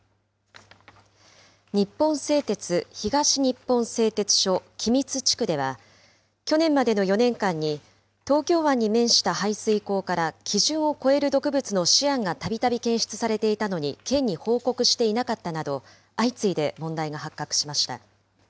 日本製鉄東日本製鉄所君津地区では、去年までの４年間に、東京湾に面した排水口から基準を超える毒物のシアンがたびたび検出されていたのに県に報告していなかったなど、相次いで問題が発覚しました。